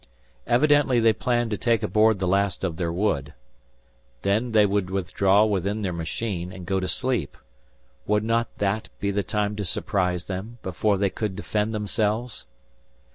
Evidently they planned to take aboard the last of their wood. Then they would withdraw within their machine, and go to sleep. Would not that be the time to surprise them, before they could defend themselves?